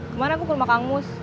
kemarin aku ke rumah kang mus